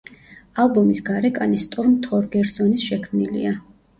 ალბომის გარეკანი სტორმ თორგერსონის შექმნილია.